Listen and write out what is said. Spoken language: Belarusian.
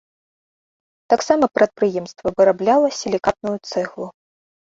Таксама прадпрыемства вырабляла сілікатную цэглу.